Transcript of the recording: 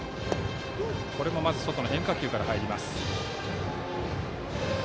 まず外の変化球から入ります。